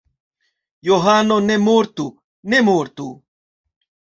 Johano ne mortu! Ne mortu!